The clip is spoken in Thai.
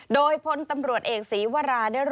โดยพลตำรวจเอกศรีวรารังสิบพระมณกุลรองค์พบตร